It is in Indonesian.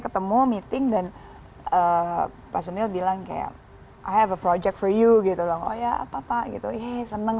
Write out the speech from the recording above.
ketemu meeting dan pasunil bilang kayak i have a project for you gitu loh ya apa apa gitu seneng